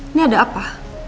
ini ada apa